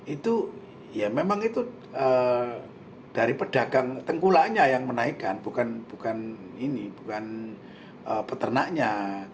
itu ya memang itu dari pedagang tengkulaknya yang menaikkan bukan ini bukan peternaknya